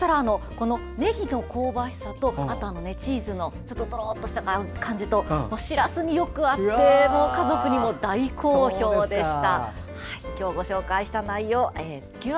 そうしたらねぎの香ばしさとチーズのとろっとした感じがしらすによく合って家族にも大好評でした。